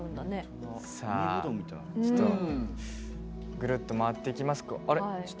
ぐるっと回っていきますと。